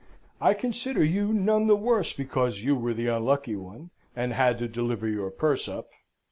I consider you none the worse because you were the unlucky one, and had to deliver your purse up.